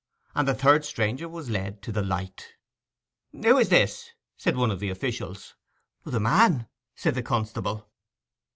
And the third stranger was led to the light. 'Who is this?' said one of the officials. 'The man,' said the constable.